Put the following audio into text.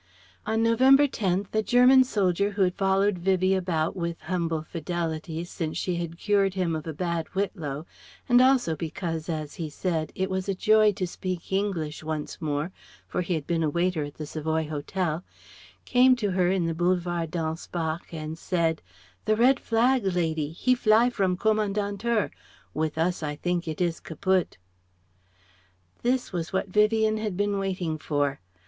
On November 10th, a German soldier who followed Vivien about with humble fidelity since she had cured him of a bad whitlow and also because, as he said, it was a joy to speak English once more for he had been a waiter at the Savoy Hotel came to her in the Boulevard d'Anspach and said "The Red flag, lady, he fly from Kommandantur. With us I think it is Kaput." This was what Vivien had been waiting for.